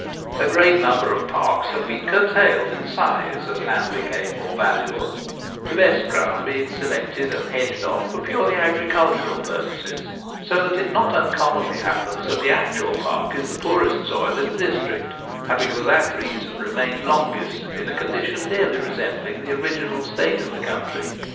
A great number of parks have been curtailed in size as land became more valu able — the best ground being selected and hedged off for purely agricultural purposes ; so that it not un commonly happens that the actual park is the poorest soil in the district, having for that reason remained longest in a condition nearly resembling the original state of the country.